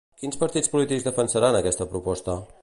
Quins partits polítics defensaran aquesta proposta?